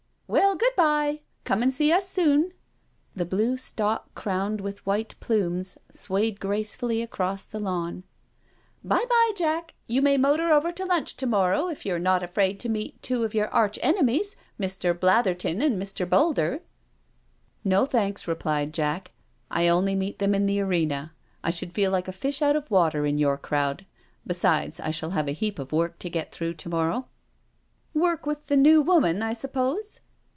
" Well, good bye, come and see us soon." The blue stalk crowned with white plumes swayed gracefully across the lawn. " Bye bye, Jack, you may motor over to lunch to morrow, if you are not afraid to meet two of your arch enemies, Mr. Blatherton and Mr. Boulder." " No thanks," replied Jack. " I only meet them in the arena. I should feel like a fish out of water in your crowd— besides, I shall have a heap of work to get through to morrow." " Work with the New Woman, I suppose?"